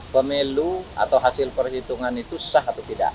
pemilu atau hasil perhitungan itu sah atau tidak